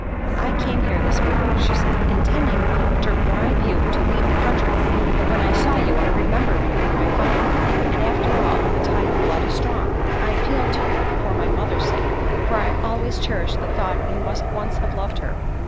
'' I came here this morning, '' she said, '' intending to bribe you to leave the country, but when I saw you I remembered you were my father and, after all, the tie THE SECRETARY OF STATE 165 of blood is strong. I appealed to you for my mother's sake, for I always cherished the thought you must once have loved her.